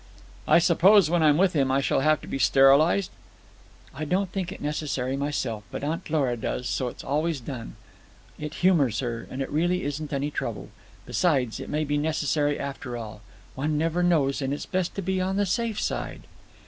"I suppose when I'm with him I shall have to be sterilized?" "I don't think it necessary myself, but Aunt Lora does, so it's always done. It humours her, and it really isn't any trouble. Besides, it may be necessary after all. One never knows, and it's best to be on the safe side."